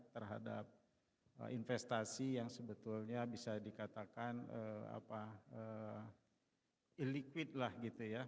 terhadap investasi yang sebetulnya bisa dikatakan e liquid lah gitu ya